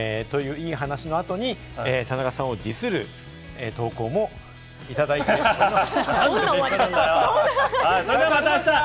いい話の後に田中さんをディスる投稿もいただいたということです。